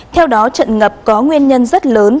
theo đó trận ngập có nguyên nhân rất lớn